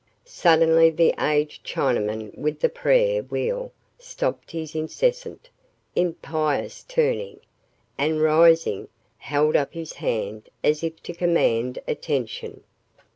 Suddenly the aged Chinaman with the prayer wheel stopped his incessant, impious turning, and rising, held up his hand as if to command attention.